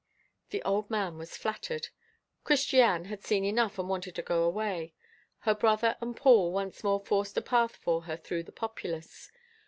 The old man was flattered. Christiane had seen enough, and wanted to go away. Her brother and Paul once more forced a path for her through the populace.